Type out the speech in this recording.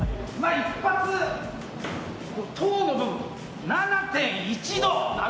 一発、凍の部分、７．１度。